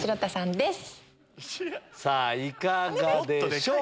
さぁいかがでしょう？